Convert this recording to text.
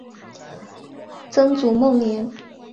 曾祖孟廉。